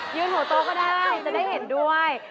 หัวโต๊ะก็ได้จะได้เห็นด้วย